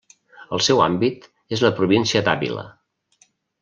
El seu àmbit és la província d'Àvila.